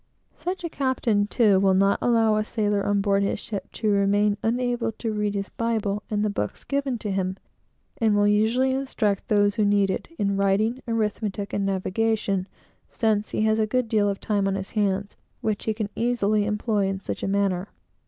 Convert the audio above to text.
Such a captain, too, will not allow a sailor on board his ship to remain unable to read his Bible and the books given to him; and will usually instruct those who need it, in writing, arithmetic, and navigation; since he has a good deal of time on his hands, which he can easily employ in such a manner.